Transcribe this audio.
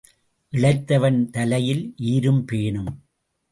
இளைத்தவன் தலையில் ஈரும் பேனும்.